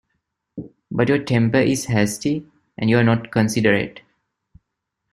But your temper is hasty and you are not considerate.